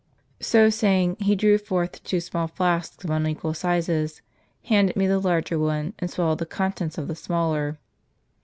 " So saying, he drew forth two small flasks of unequal sizes, handed me the larger one, and swallowed the contents of the smaller.